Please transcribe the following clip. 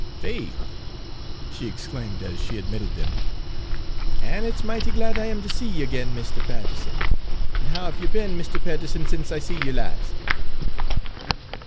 "Faith," she exclaimed as she admitted them, "an' it 's mighty glad I am to see ye ag'in, Misther Payterson! An' how hev ye be'n, Misther Payterson, sence I see ye lahst?"